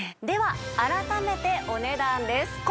では改めてお値段です。